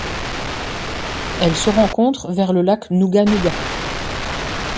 Elle se rencontre vers le lac Nuga Nuga.